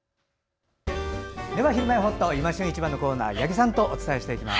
では「ひるまえほっと」「いま旬市場」のコーナー八木さんとお伝えしていきます。